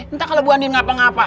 entah kalau bu andien ngapa ngapa